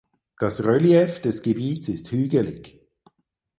Das Relief des Gebiets ist hügelig.